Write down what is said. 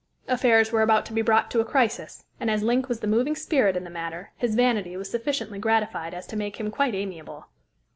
Affairs were about to be brought to a crisis, and as Link was the moving spirit in the matter, his vanity was sufficiently gratified as to make him quite amiable.